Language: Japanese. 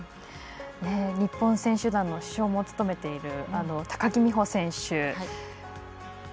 日本選手団の主将も務めている高木美帆選手。